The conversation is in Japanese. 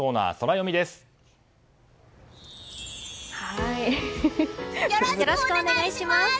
よろしくお願いします！